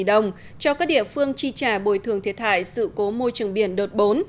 đồng cho các địa phương chi trả bồi thường thiệt hại sự cố môi trường biển đợt bốn